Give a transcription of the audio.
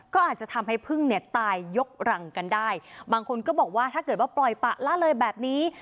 ก็อาจจะทำให้พึ่งเนี่ยตายยกรังกันได้บางคนก็บอกว่าถ้าเกิดว่าปล่อยปะละเลยแบบนี้